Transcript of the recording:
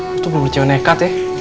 lo tuh berbicara nekat ya